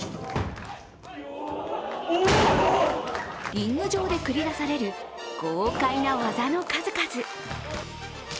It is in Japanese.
リング上で繰り出される豪快な技の数々。